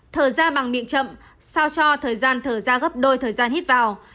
thở ra bằng miệng chậm sao cho thời gian thở ra gấp đôi thời gian hít vào